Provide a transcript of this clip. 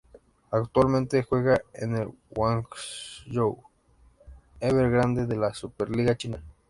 Actualmente juega en el Guangzhou Evergrande de la Superliga China.